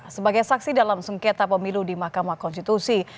sebagai saksi dalam sengketa pemilu di mahkamah konstitusi